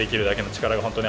力が本当に